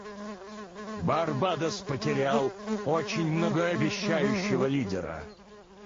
Барбадос потерял очень многообещающего лидера.